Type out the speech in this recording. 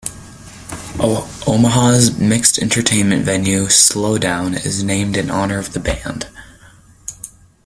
Omaha's mixed entertainment venue Slowdown is named in honor of the band.